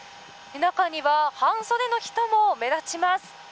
中には、半袖の人も目立ちます。